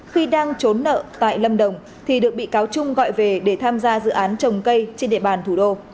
khi đang trốn nợ tại lâm đồng thì được bị cáo trung gọi về để tham gia dự án trồng cây trên địa bàn thủ đô